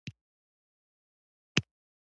د مزد د لوړوالي لپاره د کارګرانو مبارزه مهمه ده